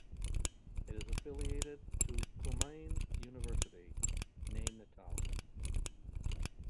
It is affiliated to Kumaun University, Nainital.